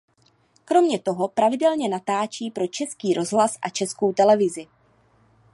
Kromě toho pravidelně natáčí pro Český rozhlas a Českou televizi.